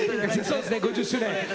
そうですね５０周年。